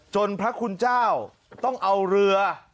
พระคุณเจ้าต้องเอาเรือ